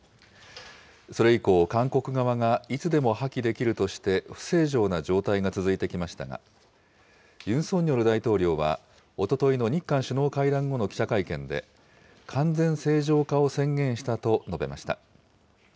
それ以降、韓国側がいつでも破棄できるとして不正常な状態が続いてきましたが、ユン・ソンニョル大統領は、おとといの日韓首脳会談後の記者会見で、完全正常化を宣言したと述べました。